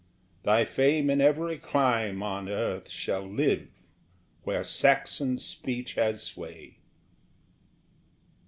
Thy fame in every clime On earth shall live where Saxon speech has sway.